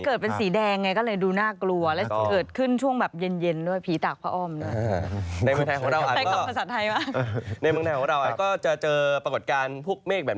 ตอนนี้ค่อนข้างเยอะในช่วงนี้แหละครับ